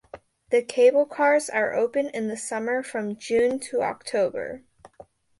The cable cars are open in the summer from June to October.